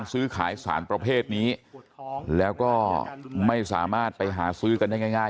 ซื้อขายสารประเภทนี้แล้วก็ไม่สามารถไปหาซื้อกันได้ง่าย